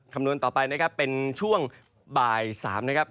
คำนวณต่อไปนะครับเป็นช่วงบ่าย๓นะครับ